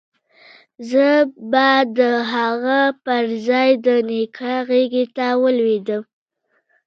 زه به د هغه پر ځاى د نيکه غېږې ته ولوېدم.